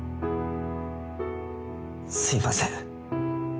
すいません。